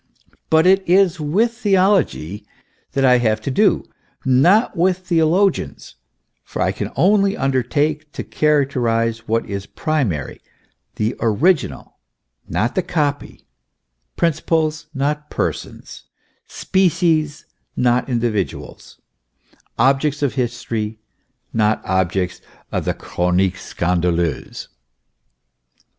But it is with theology that I have to do, not with theologians ; for I can only undertake to charac terize what is primary, the original, not the copy, principles, not persons, species, not individuals, objects of history, not objects of the chronique scandaleuse.